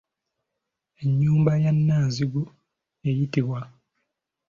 Ennyumba ya Nnanzigu eyitibwa